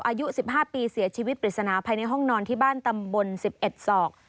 อายุ๑๕ปีเสียชีวิตปริศนาภายในห้องนอนที่บ้านตำบล๑๑ศอก